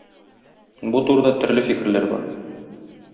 Бу турыда төрле фикерләр бар.